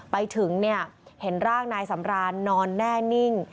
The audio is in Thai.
ไปถึงเนี่ยเห็นร่างนายสำรานนอนแน่นิ่ง